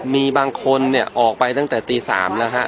มีบางคนเนี่ยออกไปตั้งแต่ตี๓แล้วฮะ